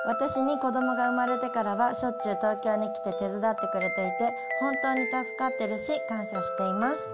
子供が生まれてからはしょっちゅう東京に来て手伝ってくれていて本当に助かってるし感謝しています。